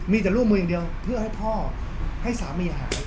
มีแต่รูปมืออย่างเดียวเพื่อให้พ่อให้สามีหาย